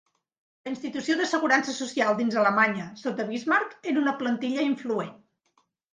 La institució d'assegurança social dins Alemanya sota Bismarck era una plantilla influent.